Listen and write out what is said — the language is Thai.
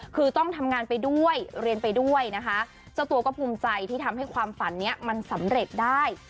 คือต้องทำงานไปด้วยเรียนไปด้วยนะคะเจ้าตัวก็ภูมิใจที่ทำให้ความฝันนี้มันสำเร็จได้